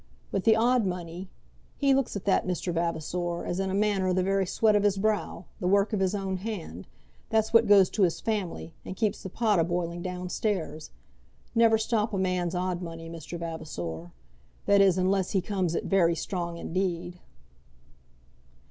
But the odd money; he looks at that, Mr. Vavasor, as in a manner the very sweat of his brow, the work of his own hand; that's what goes to his family, and keeps the pot a boiling down stairs. Never stop a man's odd money, Mr. Vavasor; that is, unless he comes it very strong indeed."